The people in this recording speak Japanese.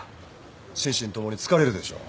心身ともに疲れるでしょ？